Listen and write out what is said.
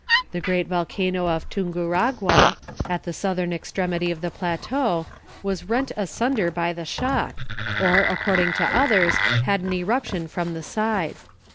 The great volcano of Tunguragua, at the southern extremity of the plateau, was rent asunder by the shock, or, according to others, had an eruption from the side.